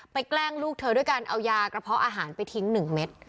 แกล้งลูกเธอด้วยการเอายากระเพาะอาหารไปทิ้ง๑เม็ด